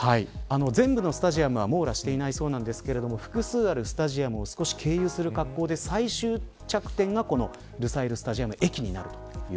全部のスタジアムは網羅していないそうなんですが複数あるスタジアムを経由するかたちで最終着地点がこのルサイルスタジアム駅になる